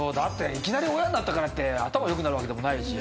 いきなり親になったからって頭良くなるわけでもないし。